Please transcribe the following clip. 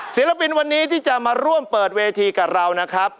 ศิลปินวันนี้ที่จะมาร่วมเปิดเวทีกับเรานะครับ